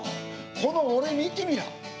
この俺見てみな。